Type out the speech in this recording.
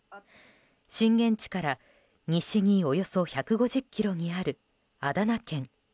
震源地から西におよそ１５０ｋｍにあるアダナ県。